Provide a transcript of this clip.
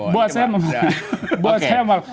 buat saya memalukan